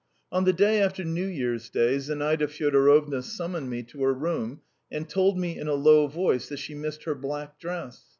On the day after New Year's Day, Zinaida Fyodorovna summoned me to her room and told me in a low voice that she missed her black dress.